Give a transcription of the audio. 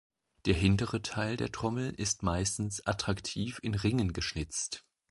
Der hintere Teil der Trommel ist meistens attraktiv in Ringen geschnitzt.